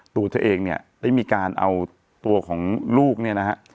ตัวเธอเองเนี่ยได้มีการเอาตัวของลูกเนี่ยนะฮะ